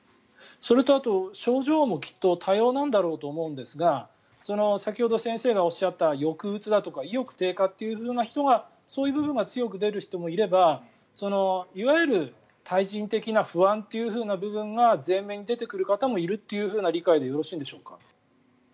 それと症状もきっと多様なんだと思いますが先ほど先生がおっしゃった抑うつだとか意欲低下という人がそういう部分が強く出る人もいればいわゆる対人的な不安という部分が前面に出てくる方もいるという理解でよろしいんでしょうか。